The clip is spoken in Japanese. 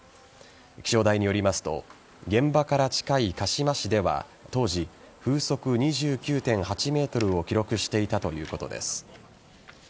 気象台によりますと現場から近い鹿嶋市では当時、風速２９．８メートルを記録していたということです。